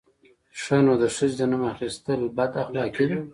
_ښه نو، د ښځې د نوم اخيستل بد اخلاقي ده!